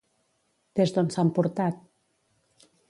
Des d'on s'han portat?